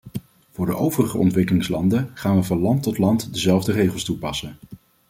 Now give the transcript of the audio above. Voor de overige ontwikkelingslanden gaan we van land tot land dezelfde regels toepassen.